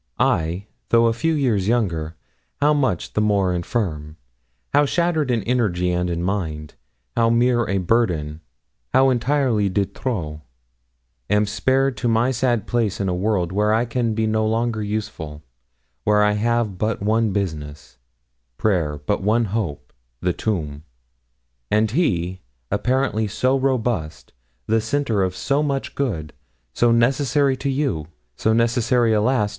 I though a few years younger how much the more infirm how shattered in energy and in mind how mere a burden how entirely de trop am spared to my sad place in a world where I can be no longer useful, where I have but one business prayer, but one hope the tomb; and he apparently so robust the centre of so much good so necessary to you so necessary, alas!